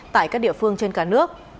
tại các địa phương trên cả nước